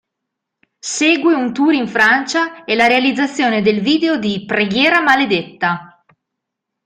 Segue un tour in Francia e la realizzazione del video di "Preghiera maledetta".